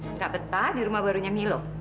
enggak betah di rumah barunya milo